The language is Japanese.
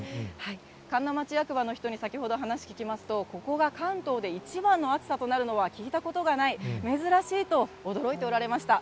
神流町役場の人に先ほど話聞きますと、ここが関東で一番の暑さとなるのは聞いたことがない、珍しいと驚いておられました。